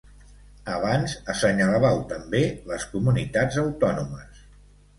Abans assenyalàveu també les comunitats autònomes.